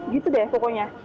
gitu deh pokoknya